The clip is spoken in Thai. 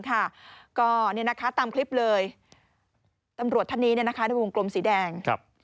ก็ตามคลิปเลยตำรวจท่านนี้ในวงกลมสีแดง